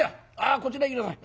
こちらへ来なさい。